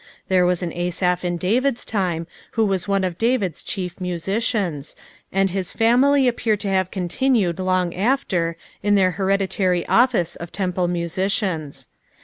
There icos an Asaph in David's time, alio teas one of David's ehitf masieians, attd kis family appear to have continued lontj after in their keredUary office of fcnwle musiciajis.